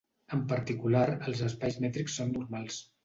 En particular els espais mètrics són normals.